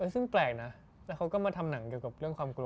ซึ่งแปลกนะแล้วเขาก็มาทำหนังเกี่ยวกับเรื่องความกลัว